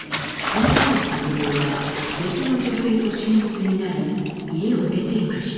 このころ三郎は別の女性と親密になり家を出ていました。